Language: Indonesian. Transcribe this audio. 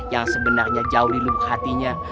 yang sebenarnya jauh di lubuk hatinya